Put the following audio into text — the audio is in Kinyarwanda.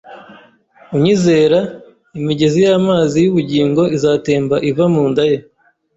Unyizera, imigezi y'amazi y'ubugingo izatemba iva mu nda ye,